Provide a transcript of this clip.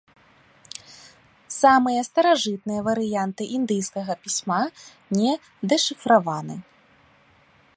Самыя старажытныя варыянты індыйскага пісьма не дэшыфраваны.